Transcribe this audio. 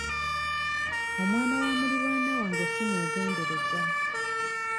Omwana wa muliraanwa wange simwegendereza.